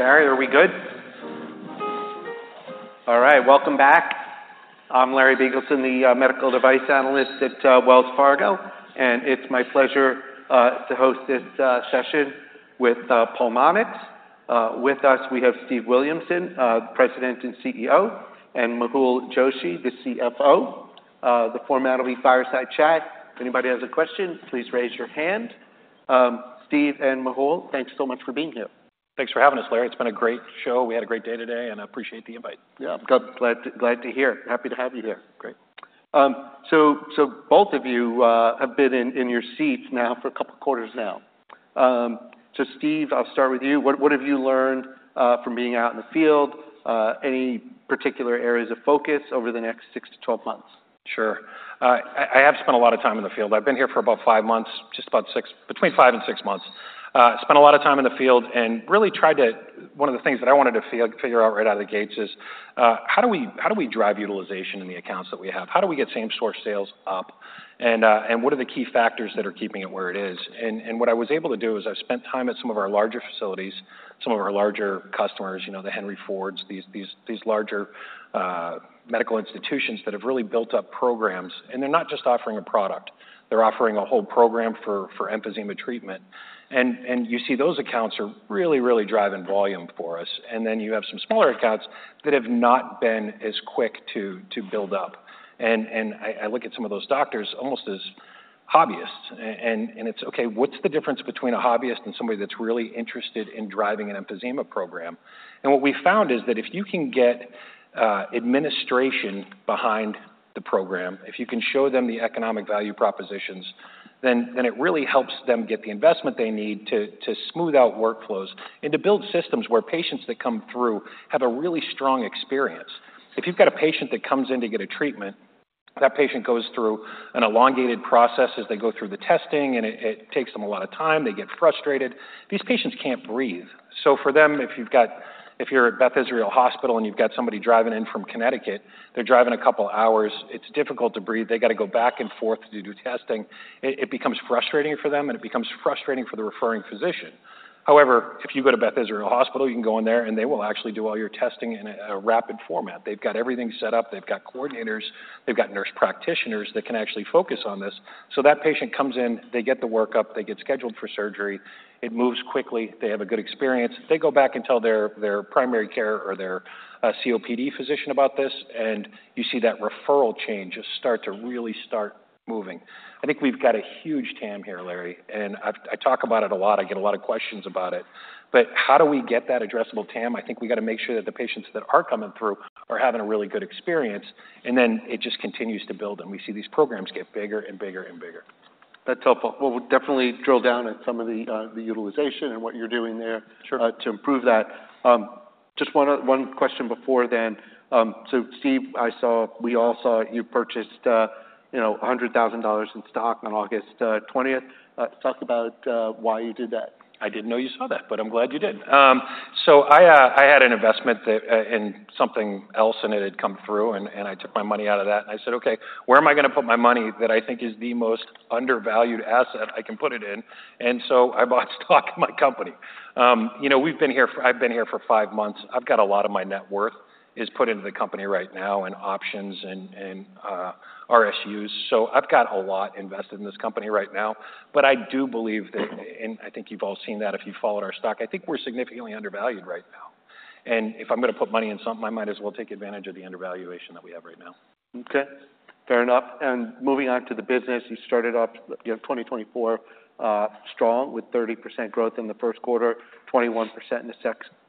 Larry, are we good? All right, welcome back. I'm Larry Biegelsen, the Medical Device Analyst at Wells Fargo, and it's my pleasure to host this session with Pulmonx. With us, we have Steve Williamson, President and CEO, and Mehul Joshi, the CFO. The format will be fireside chat. If anybody has a question, please raise your hand. Steve and Mehul, thanks so much for being here. Thanks for having us, Larry. It's been a great show. We had a great day today, and I appreciate the invite. Yeah. Glad to hear. Happy to have you here. Great. So both of you have been in your seats now for a couple of quarters now. So Steve, I'll start with you. What have you learned from being out in the field? Any particular areas of focus over the next six to 12 months? Sure. I have spent a lot of time in the field. I've been here for about five months, just about six, between five and six months. Spent a lot of time in the field and really tried to. One of the things that I wanted to figure out right out of the gates is how do we drive utilization in the accounts that we have? How do we get same store sales up? And what are the key factors that are keeping it where it is? And what I was able to do is I've spent time at some of our larger facilities, some of our larger customers, you know, the Henry Fords, these larger medical institutions that have really built up programs. And they're not just offering a product, they're offering a whole program for emphysema treatment. And you see those accounts are really, really driving volume for us. And then you have some smaller accounts that have not been as quick to build up. And I look at some of those doctors almost as hobbyists, and it's okay, what's the difference between a hobbyist and somebody that's really interested in driving an emphysema program? And what we found is that if you can get administration behind the program, if you can show them the economic value propositions, then it really helps them get the investment they need to smooth out workflows and to build systems where patients that come through have a really strong experience. If you've got a patient that comes in to get a treatment, that patient goes through an elongated process as they go through the testing, and it takes them a lot of time, they get frustrated. These patients can't breathe. So for them, if you're at Beth Israel Hospital and you've got somebody driving in from Connecticut, they're driving a couple hours, it's difficult to breathe, they got to go back and forth to do testing. It becomes frustrating for them, and it becomes frustrating for the referring physician. However, if you go to Beth Israel Hospital, you can go in there, and they will actually do all your testing in a rapid format. They've got everything set up. They've got coordinators. They've got nurse practitioners that can actually focus on this. So that patient comes in, they get the workup, they get scheduled for surgery, it moves quickly, they have a good experience. They go back and tell their primary care or their COPD physician about this, and you see that referral change just start to really moving. I think we've got a huge TAM here, Larry, and I talk about it a lot, I get a lot of questions about it. But how do we get that addressable TAM? I think we got to make sure that the patients that are coming through are having a really good experience, and then it just continues to build, and we see these programs get bigger and bigger and bigger. That's helpful. We'll definitely drill down at some of the utilization and what you're doing there- Sure... to improve that. Just one question before then. So Steve, I saw, we all saw you purchased, you know, $100,000 in stock on August 20th. Talk about why you did that. I didn't know you saw that, but I'm glad you did. So I had an investment that in something else, and it had come through, and I took my money out of that, and I said, "Okay, where am I gonna put my money that I think is the most undervalued asset I can put it in?" So I bought stock in my company. You know, we've been here for. I've been here for five months. I've got a lot of my net worth is put into the company right now, and options and RSUs. So I've got a lot invested in this company right now. But I do believe that, and I think you've all seen that if you followed our stock, I think we're significantly undervalued right now. And if I'm gonna put money in something, I might as well take advantage of the undervaluation that we have right now. Okay, fair enough. Moving on to the business, you started off, you know, 2024 strong with 30% growth in the first quarter, 21% in the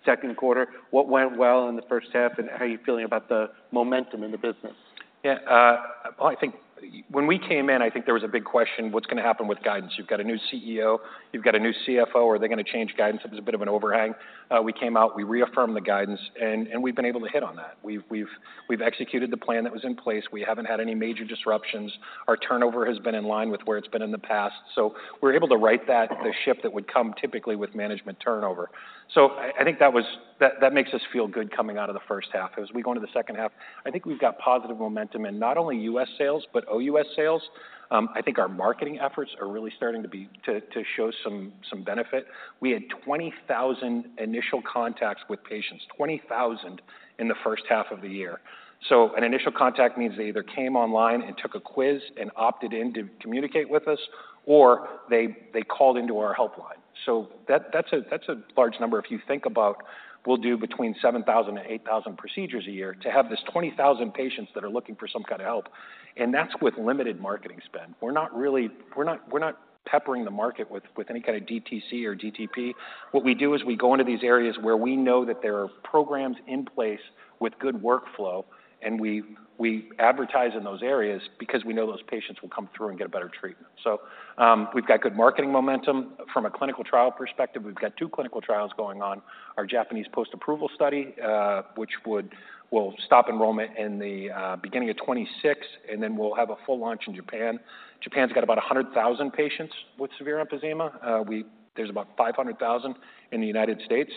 second quarter. What went well in the first half, and how are you feeling about the momentum in the business? Yeah, well, I think when we came in, I think there was a big question, what's gonna happen with guidance? You've got a new CEO, you've got a new CFO, are they gonna change guidance? There was a bit of an overhang. We came out, we reaffirmed the guidance, and we've been able to hit on that. We've executed the plan that was in place. We haven't had any major disruptions. Our turnover has been in line with where it's been in the past. So we're able to right the ship that would come typically with management turnover. So I think that was... That makes us feel good coming out of the first half. As we go into the second half, I think we've got positive momentum in not only U.S. sales, but OUS sales. I think our marketing efforts are really starting to show some benefit. We had 20,000 initial contacts with patients, 20,000 in the first half of the year. So an initial contact means they either came online and took a quiz and opted in to communicate with us, or they called into our helpline. So that's a large number. If you think about, we'll do between 7,000 and 8,000 procedures a year to have this 20,000 patients that are looking for some kind of help, and that's with limited marketing spend. We're not really peppering the market with any kind of DTC or DTP. What we do is we go into these areas where we know that there are programs in place with good workflow, and we advertise in those areas because we know those patients will come through and get a better treatment. So we've got good marketing momentum. From a clinical trial perspective, we've got two clinical trials going on. Our Japanese post-approval study, which we'll stop enrollment in the beginning of 2026, and then we'll have a full launch in Japan. Japan's got about 100,000 patients with severe emphysema. There's about 500,000 in the United States.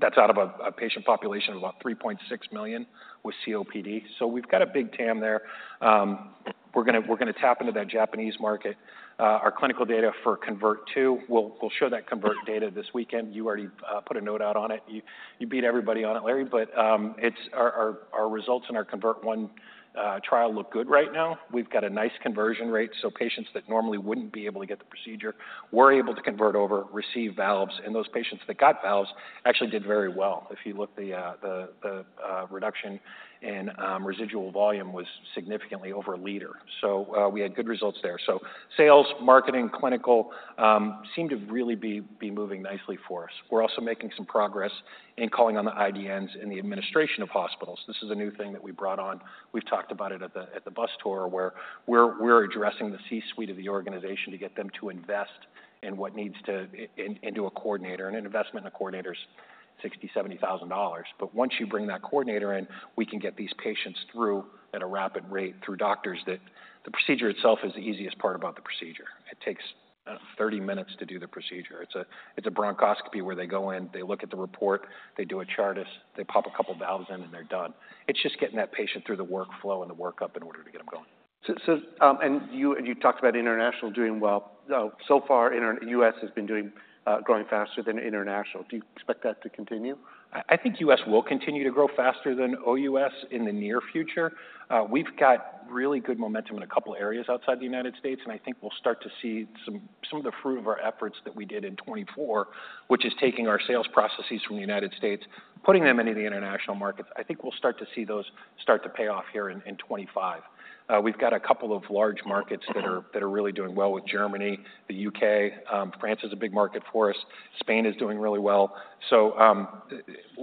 That's out of a patient population of about 3.6 million with COPD. So we've got a big TAM there. We're gonna tap into that Japanese market. Our clinical data for CONVERT-2, we'll show that CONVERT data this weekend. You already put a note out on it. You beat everybody on it, Larry, but it's our results in our CONVERT-1 trial look good right now. We've got a nice conversion rate, so patients that normally wouldn't be able to get the procedure were able to convert over, receive valves, and those patients that got valves actually did very well. If you look at the reduction in residual volume was significantly over a liter. So we had good results there. So sales, marketing, clinical seem to really be moving nicely for us. We're also making some progress in calling on the IDNs and the administration of hospitals. This is a new thing that we brought on. We've talked about it at the bus tour, where we're addressing the C-suite of the organization to get them to invest in what needs to go into a coordinator, and an investment in a coordinator is $60,000-$70,000. But once you bring that coordinator in, we can get these patients through at a rapid rate through doctors that the procedure itself is the easiest part about the procedure. It takes 30 minutes to do the procedure. It's a bronchoscopy where they go in, they look at the report, they do a Chartis, they pop a couple valves in, and they're done. It's just getting that patient through the workflow and the workup in order to get them going. You talked about international doing well. So far, U.S. has been growing faster than international. Do you expect that to continue? I think U.S. will continue to grow faster than OUS in the near future. We've got really good momentum in a couple areas outside the United States, and I think we'll start to see some of the fruit of our efforts that we did in 2024, which is taking our sales processes from the United States, putting them into the international markets. I think we'll start to see those start to pay off here in 2025. We've got a couple of large markets that are really doing well with Germany, the U.K. France is a big market for us. Spain is doing really well. So,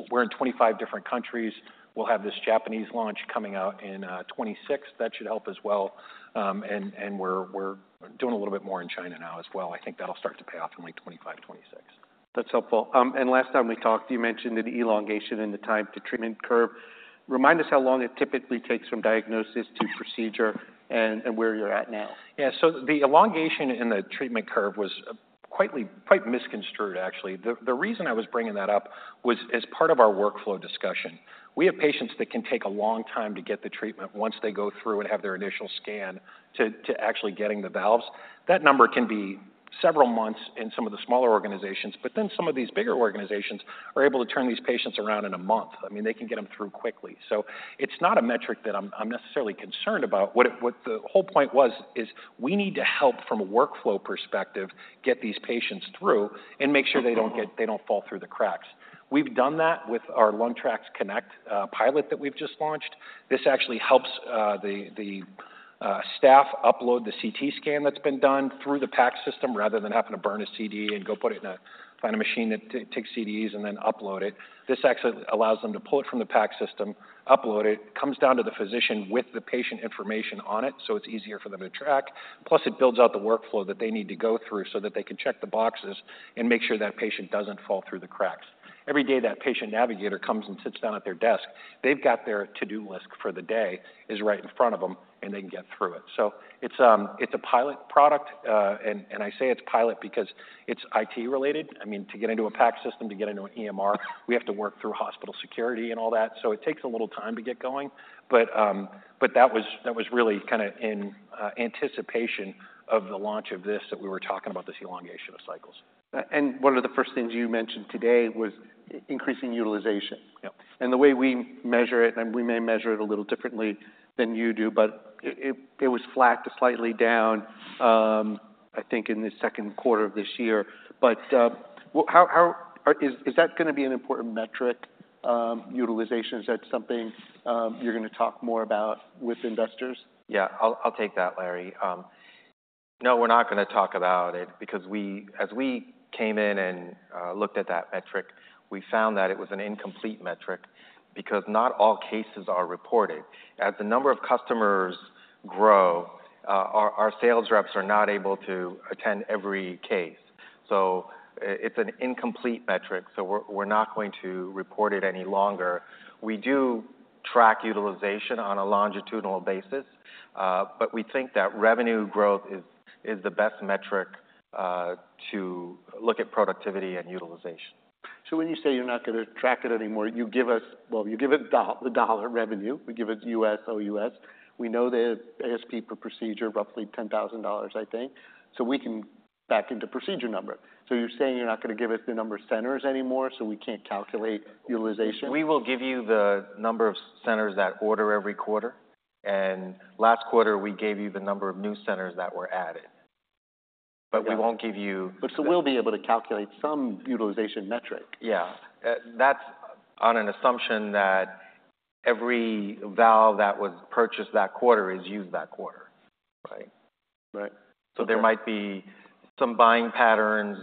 we're in 25 different countries. We'll have this Japanese launch coming out in 2026. That should help as well. We're doing a little bit more in China now as well. I think that'll start to pay off in like 2025, 2026. That's helpful. And last time we talked, you mentioned an elongation in the time-to-treatment curve. Remind us how long it typically takes from diagnosis to procedure and where you're at now. Yeah, so the elongation in the treatment curve was quite misconstrued, actually. The reason I was bringing that up was as part of our workflow discussion. We have patients that can take a long time to get the treatment once they go through and have their initial scan to actually getting the valves. That number can be several months in some of the smaller organizations, but then some of these bigger organizations are able to turn these patients around in a month. I mean, they can get them through quickly. So it's not a metric that I'm necessarily concerned about. What the whole point was, is we need to help from a workflow perspective, get these patients through and make sure they don't get- They don't fall through the cracks. We've done that with our LungTrax Connect pilot that we've just launched. This actually helps the staff upload the CT scan that's been done through the PACS, rather than having to burn a CD and go put it in a find a machine that takes CDs and then upload it. This actually allows them to pull it from the PACS, upload it, comes down to the physician with the patient information on it, so it's easier for them to track. Plus, it builds out the workflow that they need to go through so that they can check the boxes and make sure that patient doesn't fall through the cracks. Every day, that patient navigator comes and sits down at their desk. They've got their to-do list for the day is right in front of them, and they can get through it. So it's a pilot product, and I say it's pilot because it's IT-related. I mean, to get into a PACS, to get into an EMR, we have to work through hospital security and all that, so it takes a little time to get going. But that was really kind of in anticipation of the launch of this, that we were talking about, this elongation of cycles. And one of the first things you mentioned today was increasing utilization. Yep. And the way we measure it, and we may measure it a little differently than you do, but it was flat to slightly down, I think, in the second quarter of this year. But well, is that gonna be an important metric, utilization? Is that something you're gonna talk more about with investors? Yeah, I'll take that, Larry. No, we're not gonna talk about it because as we came in and looked at that metric, we found that it was an incomplete metric because not all cases are reported. As the number of customers grow, our sales reps are not able to attend every case, so it's an incomplete metric, so we're not going to report it any longer. We do track utilization on a longitudinal basis, but we think that revenue growth is the best metric to look at productivity and utilization. So when you say you're not gonna track it anymore, you give us... Well, you give us the dollar revenue. We give it U.S., OUS. We know the ASP per procedure, roughly $10,000, I think. So we can back into procedure number. So you're saying you're not gonna give us the number of centers anymore, so we can't calculate utilization? We will give you the number of centers that quarter every quarter, and last quarter, we gave you the number of new centers that were added. Yeah. But we won't give you- But so we'll be able to calculate some utilization metric? Yeah. That's on an assumption that every valve that was purchased that quarter is used that quarter. Right? Right. So there might be some buying patterns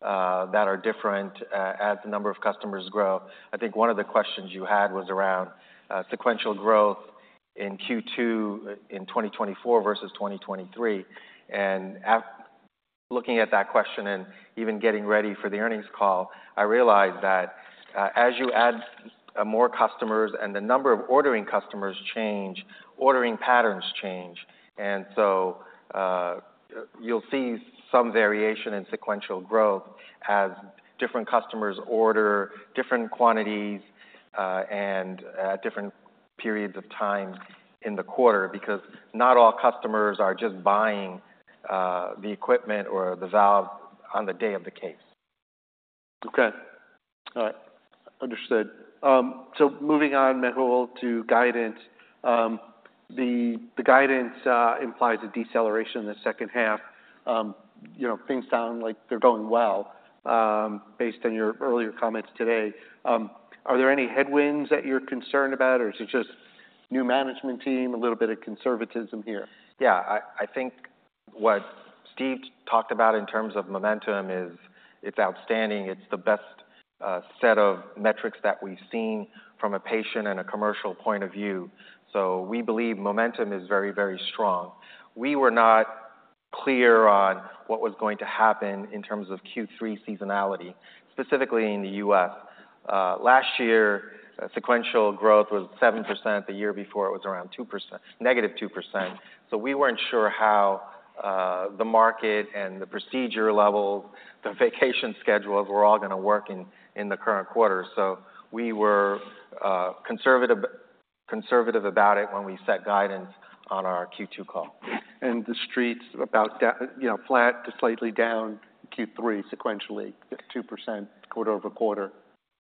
that are different as the number of customers grow. I think one of the questions you had was around sequential growth in Q2 in 2024 versus 2023. And looking at that question and even getting ready for the earnings call, I realized that, as you add-... more customers and the number of ordering customers change, ordering patterns change, and so you'll see some variation in sequential growth as different customers order different quantities, and at different periods of time in the quarter, because not all customers are just buying the equipment or the valve on the day of the case. Okay. All right, understood. So moving on, Mehul, to guidance. The guidance implies a deceleration in the second half. You know, things sound like they're going well, based on your earlier comments today. Are there any headwinds that you're concerned about, or is it just new management team, a little bit of conservatism here? Yeah, I think what Steve talked about in terms of momentum is it's outstanding. It's the best set of metrics that we've seen from a patient and a commercial point of view. So we believe momentum is very, very strong. We were not clear on what was going to happen in terms of Q3 seasonality, specifically in the U.S. Last year, sequential growth was 7%. The year before, it was around 2%, -2%. So we weren't sure how the market and the procedure level, the vacation schedules were all gonna work in the current quarter. So we were conservative, conservative about it when we set guidance on our Q2 call. And the Street's about down, you know, flat to slightly down Q3 sequentially, 2% quarter-over-quarter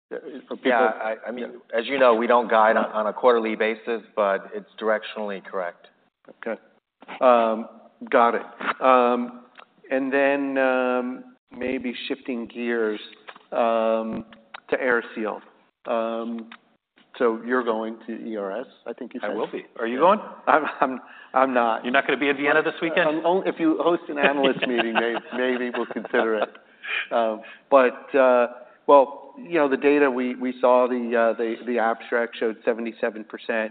for people- Yeah, I mean, as you know, we don't guide on a quarterly basis, but it's directionally correct. Okay. Got it. And then, maybe shifting gears, to AeriSeal. So you're going to ERS, I think you said? I will be. Are you going? I'm not. You're not gonna be in Vienna this weekend? If you host an analyst meeting, maybe we'll consider it. But well, you know, the data we saw, the abstract showed 77%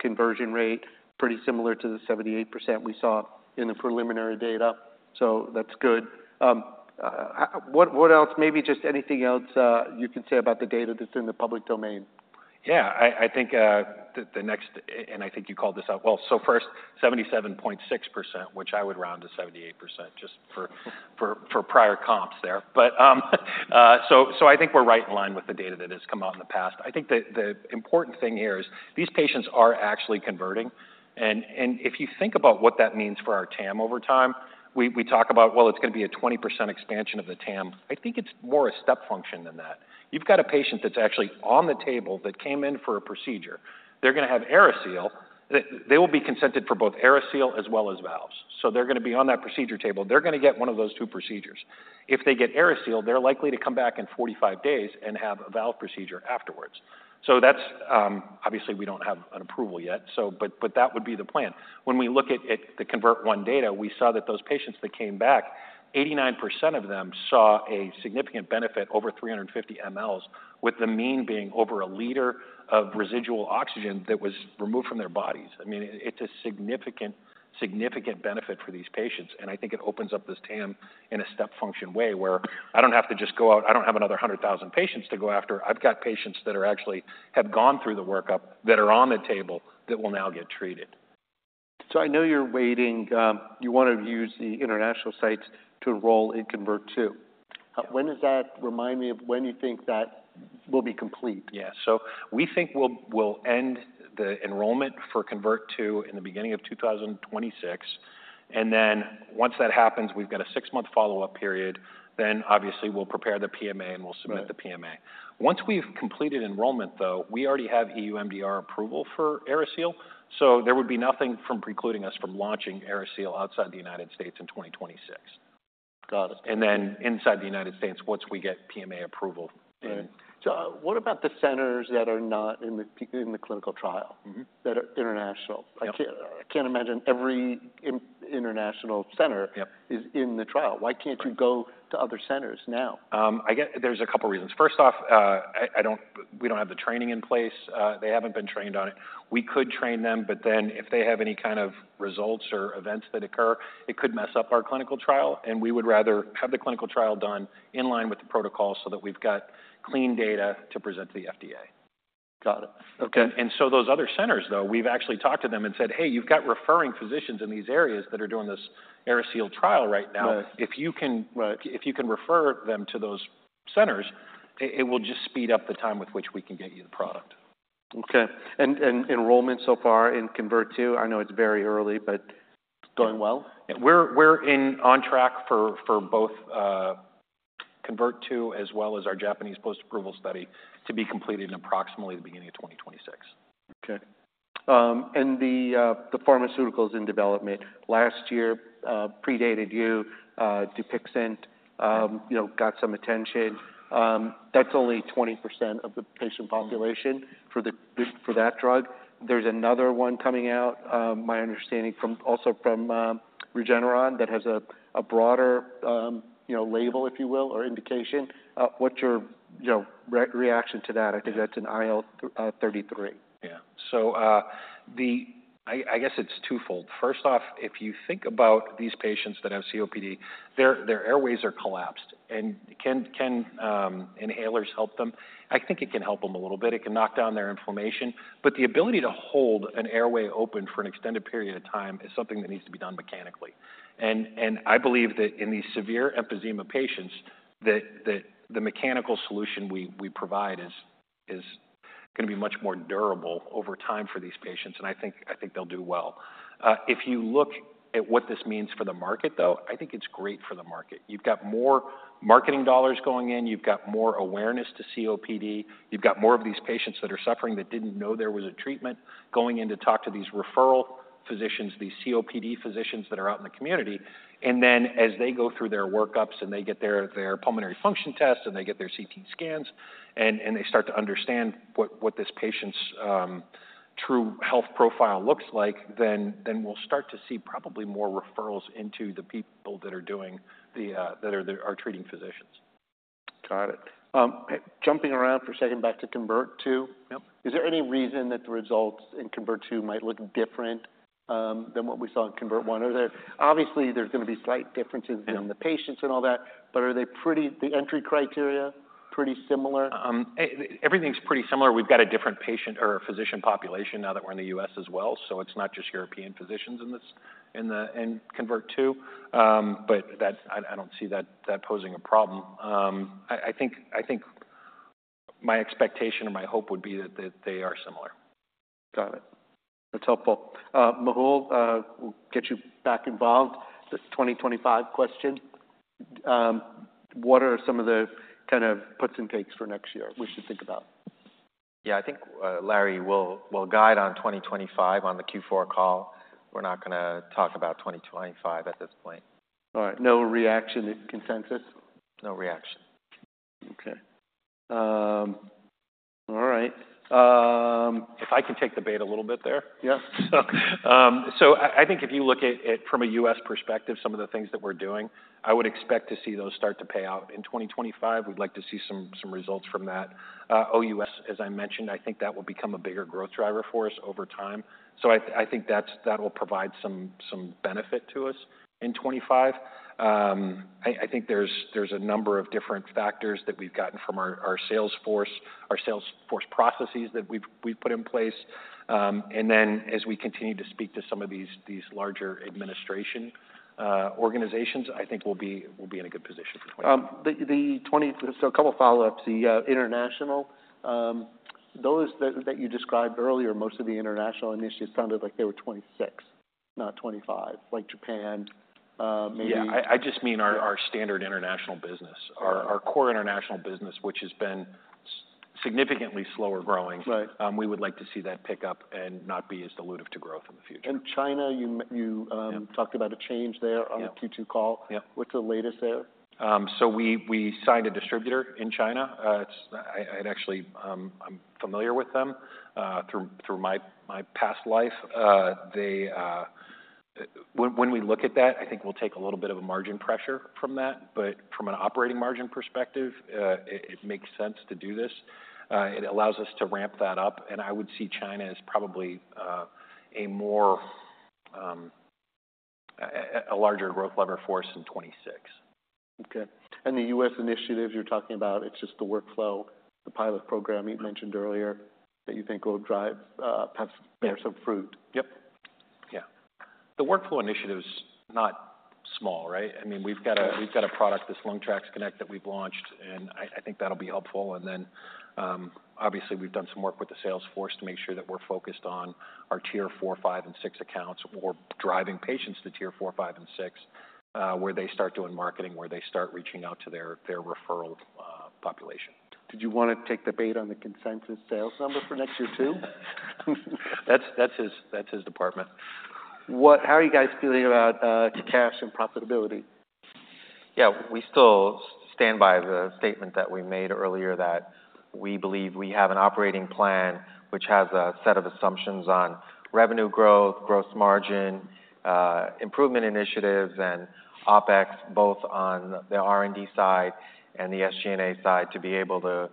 conversion rate, pretty similar to the 78% we saw in the preliminary data, so that's good. What else? Maybe just anything else you can say about the data that's in the public domain. Yeah, I think the next. And I think you called this out. Well, so first, 77.6%, which I would round to 78%, just for prior comps there. But, so I think we're right in line with the data that has come out in the past. I think the important thing here is these patients are actually converting, and if you think about what that means for our TAM over time, we talk about, well, it's gonna be a 20% expansion of the TAM. I think it's more a step function than that. You've got a patient that's actually on the table that came in for a procedure. They're gonna have AeriSeal. They will be consented for both AeriSeal as well as valves. So they're gonna be on that procedure table. They're gonna get one of those two procedures. If they get AeriSeal, they're likely to come back in 45 days and have a valve procedure afterwards. So that's... Obviously, we don't have an approval yet, so but, but that would be the plan. When we look at the CONVERT-1 data, we saw that those patients that came back, 89% of them saw a significant benefit over 350 mL, with the mean being over a liter of residual volume that was removed from their bodies. I mean, it's a significant, significant benefit for these patients, and I think it opens up this TAM in a step function way, where I don't have to just go out. I don't have another 100,000 patients to go after. I've got patients that are actually have gone through the workup, that are on the table, that will now get treated. So I know you're waiting, you want to use the international sites to enroll in CONVERT-2. Yeah. When is that? Remind me of when you think that will be complete? Yeah. We think we'll end the enrollment for CONVERT-2 in the beginning of 2026, and then once that happens, we've got a six-month follow-up period. Then obviously, we'll prepare the PMA, and we'll submit- Right... the PMA. Once we've completed enrollment, though, we already have E.U. MDR approval for AeriSeal, so there would be nothing from precluding us from launching AeriSeal outside the United States in 2026. Got it. And then inside the United States, once we get PMA approval in. Right, so what about the centers that are not in the clinical trial that are international? Yep. I can't imagine every international center- Yep... is in the trial. Right. Why can't you go to other centers now? I get it. There's a couple reasons. First off, we don't have the training in place. They haven't been trained on it. We could train them, but then if they have any kind of results or events that occur, it could mess up our clinical trial, and we would rather have the clinical trial done in line with the protocol so that we've got clean data to present to the FDA. Got it. Okay. Those other centers, though, we've actually talked to them and said, "Hey, you've got referring physicians in these areas that are doing this AeriSeal trial right now. Right. If you can- Right... if you can refer them to those centers, it will just speed up the time with which we can get you the product. Okay. And enrollment so far in CONVERT-2, I know it's very early, but it's going well? Yeah, we're on track for both CONVERT-2, as well as our Japanese post-approval study to be completed in approximately the beginning of 2026. Okay, and the pharmaceuticals in development last year predated Dupixent, you know, got some attention. That's only 20% of the patient population for the-- for that drug. There's another one coming out, my understanding from, also from, Regeneron, that has a broader, you know, label, if you will, or indication. What's your, you know, reaction to that? Yeah. I think that's an IL-33. Yeah. So, I guess it's twofold. First off, if you think about these patients that have COPD, their airways are collapsed, and can inhalers help them? I think it can help them a little bit. It can knock down their inflammation, but the ability to hold an airway open for an extended period of time is something that needs to be done mechanically. And I believe that in these severe emphysema patients, that the mechanical solution we provide is gonna be much more durable over time for these patients, and I think they'll do well. If you look at what this means for the market, though, I think it's great for the market. You've got more marketing dollars going in. You've got more awareness to COPD. You've got more of these patients that are suffering, that didn't know there was a treatment, going in to talk to these referral physicians, these COPD physicians that are out in the community, and then, as they go through their workups and they get their pulmonary function tests, and they get their CT scans, and they start to understand what this patient's true health profile looks like, then we'll start to see probably more referrals into the people that are treating physicians. Got it. Jumping around for a second back to CONVERT-2. Yep. Is there any reason that the results in CONVERT-2 might look different than what we saw in CONVERT-1? Obviously, there's gonna be slight differences in the patients and all that, but are they pretty, the entry criteria, pretty similar? Everything's pretty similar. We've got a different patient or a physician population now that we're in the U.S. as well, so it's not just European physicians in CONVERT-2. But I don't see that posing a problem. I think my expectation or my hope would be that they are similar. Got it. That's helpful. Mehul, we'll get you back involved. The 2025 question. What are some of the kind of puts and takes for next year we should think about? Yeah, I think, Larry, we'll guide on 2025 on the Q4 call. We're not gonna talk about 2025 at this point. All right, no reaction to consensus? No reaction. Okay. All right. If I can take the bait a little bit there? Yeah. So, I think if you look at it from a U.S. perspective, some of the things that we're doing, I would expect to see those start to pay out in 2025. We'd like to see some results from that. OUS, as I mentioned, I think that will become a bigger growth driver for us over time. So, I think that will provide some benefit to us in 2025. I think there's a number of different factors that we've gotten from our sales force, our sales force processes that we've put in place. And then as we continue to speak to some of these larger administration organizations, I think we'll be in a good position for 2025. A couple follow-ups. The international, those that you described earlier, most of the international initiatives sounded like they were 26, not 25, like Japan, maybe- Yeah, I just mean our- Yeah... our standard international business. Yeah. Our core international business, which has been significantly slower growing. Right. We would like to see that pick up and not be as dilutive to growth in the future. In China, you Yeah... talked about a change there- Yeah On the Q2 call. Yeah. What's the latest there? So we signed a distributor in China. It's... I'd actually, I'm familiar with them through my past life. They, when we look at that, I think we'll take a little bit of a margin pressure from that, but from an operating margin perspective, it makes sense to do this. It allows us to ramp that up, and I would see China as probably a more a larger growth lever for us in 2026. Okay. And the U.S. initiatives you're talking about, it's just the workflow, the pilot program you mentioned earlier, that you think will drive, perhaps bear some fruit? Yep. Yeah. The workflow initiative is not small, right? I mean, we've got a product, this LungTrax Connect, that we've launched, and I think that'll be helpful. And then, obviously, we've done some work with the sales force to make sure that we're focused on our tier four, five, and six accounts. We're driving patients to tier four, five, and six, where they start doing marketing, where they start reaching out to their referral population. Did you wanna take the bait on the consensus sales number for next year, too? That's his department. How are you guys feeling about cash and profitability? Yeah, we still stand by the statement that we made earlier, that we believe we have an operating plan which has a set of assumptions on revenue growth, gross margin, improvement initiatives, and OpEx, both on the R&D side and the SG&A side, to be able to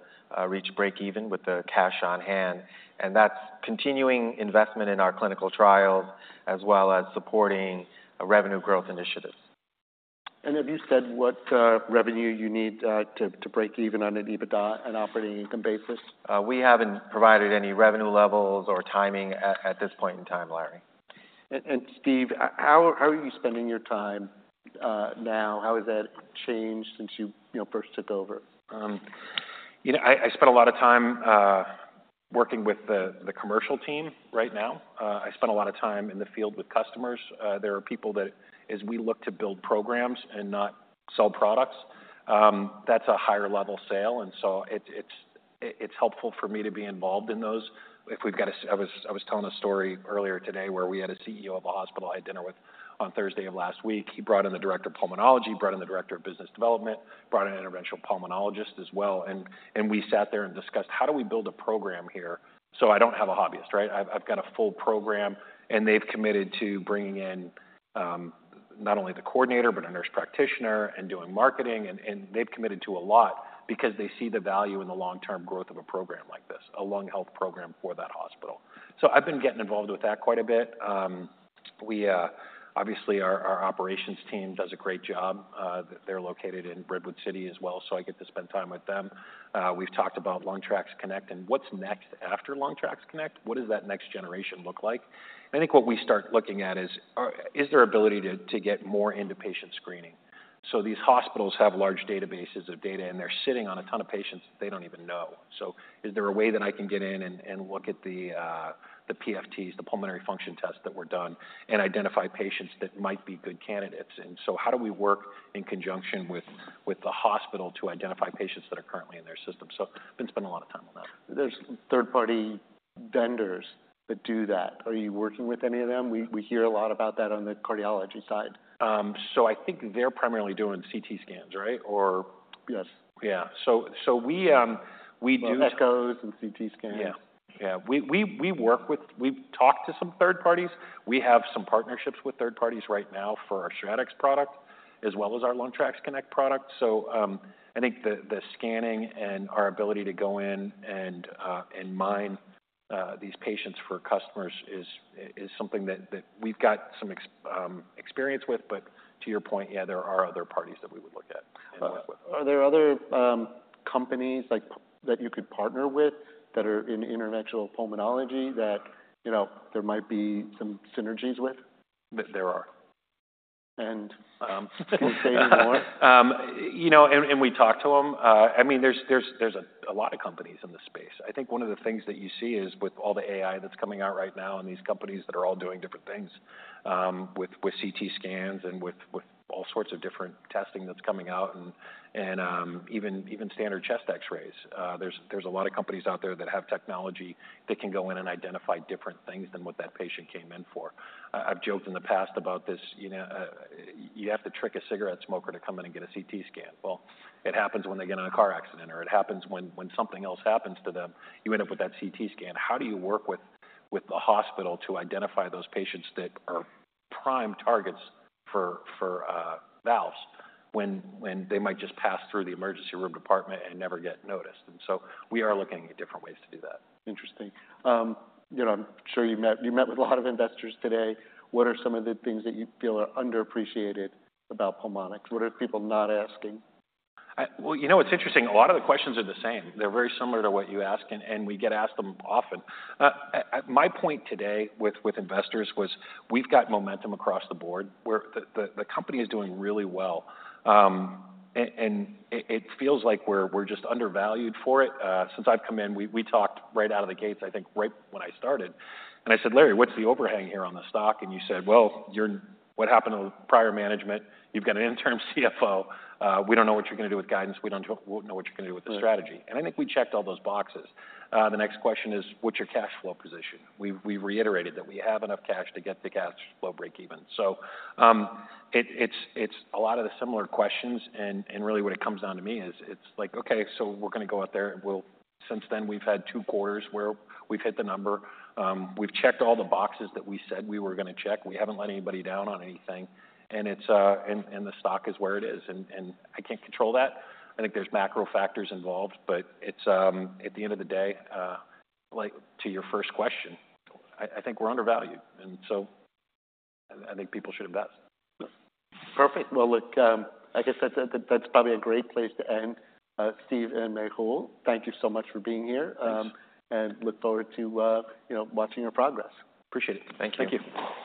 reach break even with the cash on hand. And that's continuing investment in our clinical trials, as well as supporting revenue growth initiatives. And have you said what revenue you need to break even on an EBITDA and operating income basis? We haven't provided any revenue levels or timing at this point in time, Larry. Steve, how are you spending your time now? How has that changed since you, you know, first took over? You know, I spent a lot of time working with the commercial team right now. I spent a lot of time in the field with customers. There are people that, as we look to build programs and not sell products, that's a higher-level sale, and so it's helpful for me to be involved in those. I was telling a story earlier today where we had a CEO of a hospital I had dinner with on Thursday of last week. He brought in the director of pulmonology, brought in the director of business development, brought in an interventional pulmonologist as well, and we sat there and discussed how do we build a program here so I don't have a hobbyist, right? I've got a full program, and they've committed to bringing in not only the coordinator but a nurse practitioner and doing marketing, and they've committed to a lot because they see the value in the long-term growth of a program... a lung health program for that hospital. So I've been getting involved with that quite a bit. We obviously, our operations team does a great job. They're located in Redwood City as well, so I get to spend time with them. We've talked about LungTrax Connect and what's next after LungTrax Connect? What does that next generation look like? I think what we start looking at is there ability to get more into patient screening. So these hospitals have large databases of data, and they're sitting on a ton of patients that they don't even know. Is there a way that I can get in and look at the PFTs, the pulmonary function tests that were done, and identify patients that might be good candidates? How do we work in conjunction with the hospital to identify patients that are currently in their system? I've been spending a lot of time on that. There's third-party vendors that do that. Are you working with any of them? We hear a lot about that on the cardiology side. So I think they're primarily doing CT scans, right? Or- Yes. Yeah. So we do- Echoes and CT scans. Yeah, yeah. We work with... We've talked to some third parties. We have some partnerships with third parties right now for our StratX product, as well as our LungTrax Connect product. So, I think the scanning and our ability to go in and mine these patients for customers is something that we've got some experience with. But to your point, yeah, there are other parties that we would look at and work with. Are there other, companies like, that you could partner with, that are in interventional pulmonology that, you know, there might be some synergies with? There are. Will you say any more? You know, and we talk to them. I mean, there's a lot of companies in this space. I think one of the things that you see is with all the AI that's coming out right now, and these companies that are all doing different things, with CT scans and with all sorts of different testing that's coming out, and even standard chest X-rays. There's a lot of companies out there that have technology that can go in and identify different things than what that patient came in for. I've joked in the past about this, you know, you have to trick a cigarette smoker to come in and get a CT scan. It happens when they get in a car accident, or it happens when something else happens to them. You end up with that CT scan. How do you work with the hospital to identify those patients that are prime targets for valves, when they might just pass through the emergency room department and never get noticed? And so we are looking at different ways to do that. Interesting. You know, I'm sure you met with a lot of investors today. What are some of the things that you feel are underappreciated about Pulmonx? What are people not asking? Well, you know, it's interesting. A lot of the questions are the same. They're very similar to what you ask, and we get asked them often. My point today with investors was we've got momentum across the board, where the company is doing really well. And it feels like we're just undervalued for it. Since I've come in, we talked right out of the gates, I think, right when I started, and I said, "Larry, what's the overhang here on the stock?" And you said, "Well, you're what happened to the prior management? You've got an interim CFO. We don't know what you're gonna do with guidance. We don't know what you're gonna do with the strategy. Yeah. I think we checked all those boxes. The next question is: What's your cash flow position? We reiterated that we have enough cash to get the cash flow break even. So, it's a lot of the similar questions, and really what it comes down to me is, it's like, okay, so we're gonna go out there and we'll. Since then, we've had two quarters where we've hit the number. We've checked all the boxes that we said we were gonna check. We haven't let anybody down on anything, and it's, and the stock is where it is, and I can't control that. I think there's macro factors involved, but it's, at the end of the day, like to your first question, I think we're undervalued, and so I think people should invest. Perfect. Well, look, I guess that, that's probably a great place to end. Steve, Mehul, thank you so much for being here. Thanks. Look forward to, you know, watching your progress. Appreciate it. Thank you. Thank you.